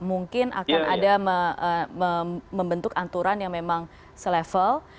mungkin akan ada membentuk aturan yang memang selevel